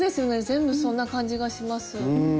全部そんな感じがします。